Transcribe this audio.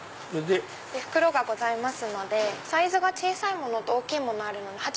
袋がございますのでサイズが小さいものと大きいものがあるので。